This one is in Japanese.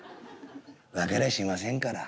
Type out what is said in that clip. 分かりゃしませんから」。